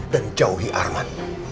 dan jauhi arman